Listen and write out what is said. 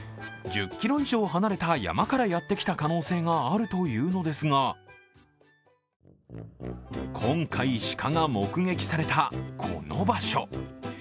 １０ｋｍ以上離れた山からやってきた可能性があるというのですが今回、鹿が目撃されたこの場所。